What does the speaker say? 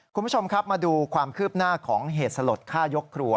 คุณผู้ชมครับมาดูความคืบหน้าของเหตุสลดฆ่ายกครัว